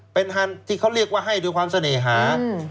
เป็นฮันที่เขาเรียกว่าให้ด้วยความเสน่หา